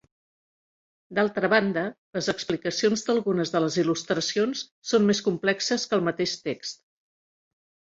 D'altra banda, les explicacions d'algunes de les il·lustracions són més complexes que el mateix text.